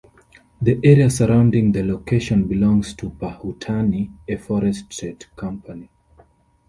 The area surrounding the location belongs to Perhutani, a Forest State Company.